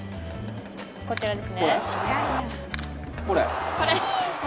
こちらですね。